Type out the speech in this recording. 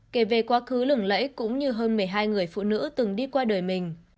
kể về quá khứ lừng lẫy cũng như hơn một mươi hai người phụ nữ từng đi qua đời mình